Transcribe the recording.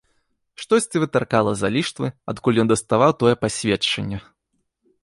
Штосьці вытыркала з-за ліштвы, адкуль ён даставаў тое пасведчанне.